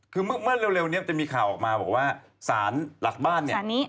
คือเมื่อเร็วเนี่ยจะมีข่าวออกมาบอกว่าสารหลักบ้านเนี่ย